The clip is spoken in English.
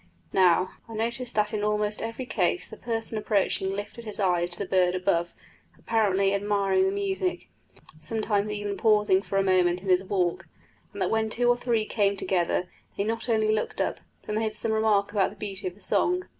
Now, I noticed that in almost every case the person approaching lifted his eyes to the bird above, apparently admiring the music, sometimes even pausing for a moment in his walk; and that when two or three came together they not only looked up, but made some remark about the beauty of the song.